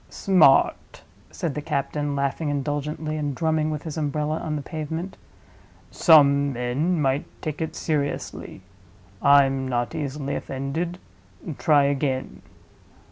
"Smart," said the captain, laughing indulgently, and drumming with his umbrella on the pavement. "Some men might take it seriously. I'm not easily offended. Try again."